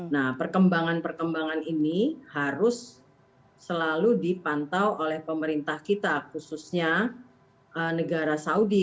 nah perkembangan perkembangan ini harus selalu dipantau oleh pemerintah kita khususnya negara saudi